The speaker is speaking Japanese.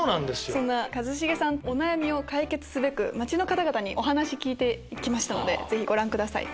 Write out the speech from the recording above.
そんな一茂さんのお悩みを解決すべく街の方々にお話聞きましたご覧ください。